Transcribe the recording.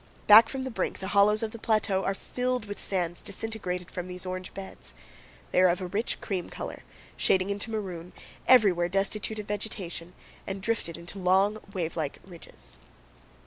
Back from the brink the hollows of the plateau are filled with sands disintegrated from these orange beds. They are of a rich cream color, shading into maroon, everywhere destitute of vegetation, and drifted into long, wave like ridges.